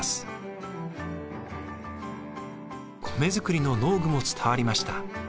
米作りの農具も伝わりました。